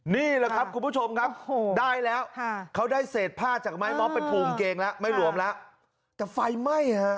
นี่แหละครับคุณผู้ชมครับได้แล้วเขาได้เศษผ้าจากไม้ม็อบไปผูกกางเกงแล้วไม่หลวมแล้วแต่ไฟไหม้ฮะ